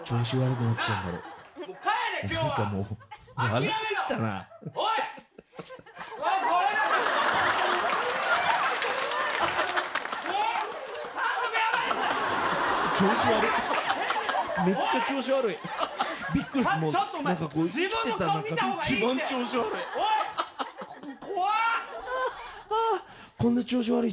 めっちゃ調子悪い！